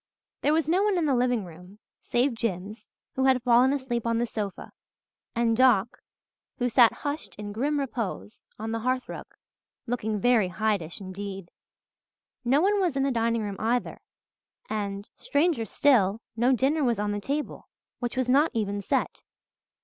There was no one in the living room, save Jims, who had fallen asleep on the sofa, and Doc, who sat "hushed in grim repose" on the hearth rug, looking very Hydeish indeed. No one was in the dining room either and, stranger still, no dinner was on the table, which was not even set.